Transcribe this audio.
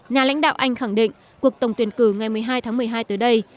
nhà lãnh đạo anh khẳng định cuộc tổng tuyển cử ngày một mươi hai tháng một mươi hai tới đây